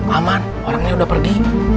aman orangnya udah pergi